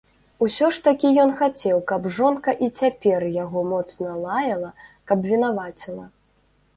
Усё ж такі ён хацеў, каб жонка і цяпер яго моцна лаяла, каб вінаваціла.